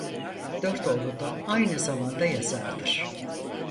Dört oğlu da aynı zamanda yazardır.